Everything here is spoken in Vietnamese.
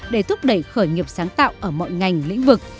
để thúc đẩy khởi nghiệp sáng tạo ở mọi ngành lĩnh vực